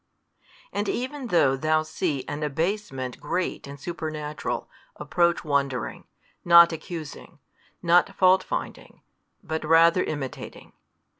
And even though thou see an abasement great and supernatural, approach wondering, not accusing, not faultfinding, but rather imitating.